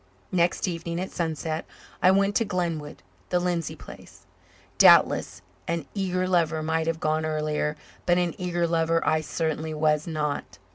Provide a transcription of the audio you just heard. Next evening at sunset I went to "Glenwood," the Lindsay place. Doubtless, an eager lover might have gone earlier, but an eager lover I certainly was not.